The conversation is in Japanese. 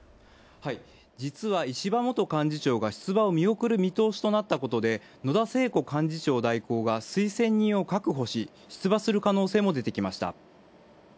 実は石破元幹事長が出馬を見送る見通しとなったのは野田聖子幹事長代行が、推薦人を確保し出馬する可能性も出てきました。